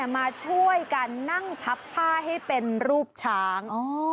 มาช่วยกันนั่งพับผ้าให้เป็นรูปช้าง